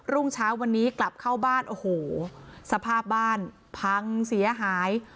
รุ่งเช้าวันนี้กลับเข้าบ้านโอ้โหสภาพบ้านพังเสียหาย